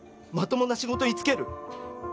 まともな仕事に就ける？